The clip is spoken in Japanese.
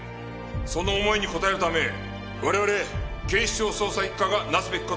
その思いに応えるため我々警視庁捜査一課がなすべき事はただ一つ。